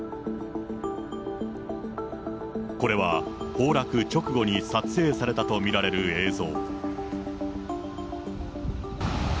これは、崩落直後に撮影されたと見られる映像。